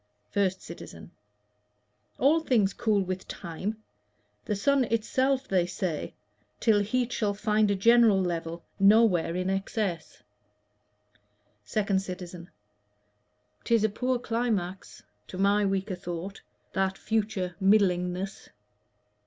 1ST CITIZEN. All things cool with time The sun itself, they say, till heat shall find A general level, nowhere in excess. 2D CITIZEN. 'Tis a poor climax, to my weaker thought, That future middlingness.